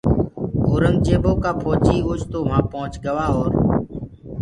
اورنٚگجيبو ڪآ ڦوجيٚ اوچتو وهآن پُهچ گوآ اور